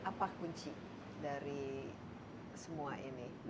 apa kunci dari semua ini